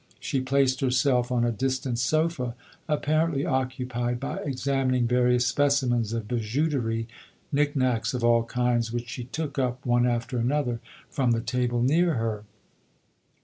She placed herself on a distant sopha, apparentlv occupied by examining various specimens of bijouterie, nic nacs of all kinds, which she took up one after the other, from the LODORE. 145 table near her.